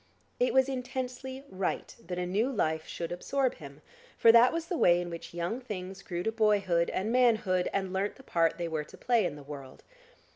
It was intensely right that a new life should absorb him, for that was the way in which young things grew to boyhood and manhood and learnt the part they were to play in the world.